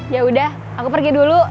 yaudah aku pergi dulu